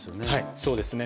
そうですね。